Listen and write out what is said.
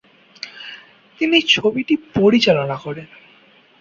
তিনি ছবিটি পরিচালন করেন।